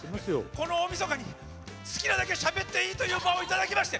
この大みそかに好きなだけしゃべっていいという場をいただきまして。